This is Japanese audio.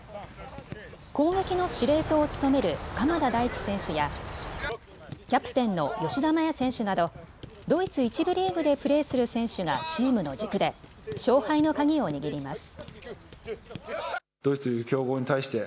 攻撃の司令塔を務める鎌田大地選手やキャプテンの吉田麻也選手などドイツ１部リーグでプレーする選手がチームの軸で勝敗の鍵を握ります。